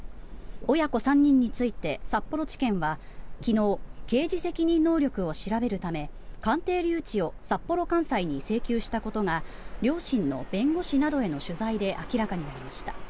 親子３人について札幌地検は昨日、刑事責任能力を調べるため鑑定留置を札幌簡裁に請求したことが両親の弁護士などへの取材で明らかになりました。